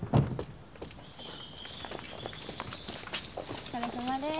お疲れさまです。